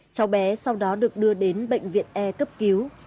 cháu bé sau đó được đưa đến bệnh viện e cấp cứu